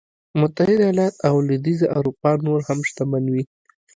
متحده ایالت او لوېدیځه اروپا نور هم شتمن وي.